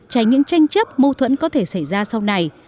tránh những tranh chấp mâu thuẫn có thể xảy ra sau này